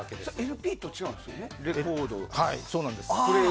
ＬＰとは違うんですよね。